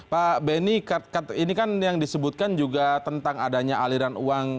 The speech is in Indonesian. pak benny ini kan yang disebutkan juga tentang adanya aliran uang